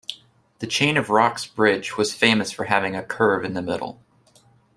The Chain of Rocks Bridge was famous for having a curve in the middle.